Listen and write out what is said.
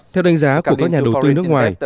theo đánh giá của các nhà đầu tư nước ngoài